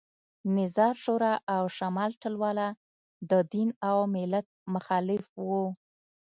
نظار شورا او شمال ټلواله د دین او ملت مخالف وو